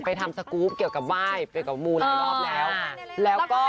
ไปทำสกุปเกี่ยวกับว่ายเกี่ยวกับมูนหลายรอบแล้ว